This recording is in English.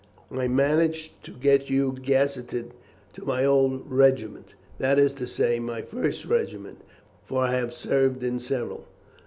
I managed to get you gazetted to my old regiment, that is to say, my first regiment, for I have served in several.